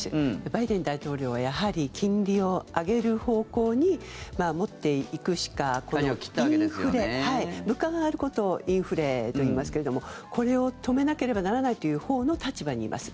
バイデン大統領はやはり金利を上げる方向に持っていくしかこのインフレ物価が上がることをインフレといいますけれどもこれを止めなければならないというほうの立場にいます。